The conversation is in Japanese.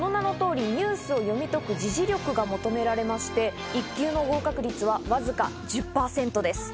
その名の通りニュースを読み解く時事力が求められまして、１級の合格率はわずか１０％です。